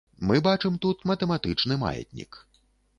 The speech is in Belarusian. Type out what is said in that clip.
Мы бачым тут матэматычны маятнік.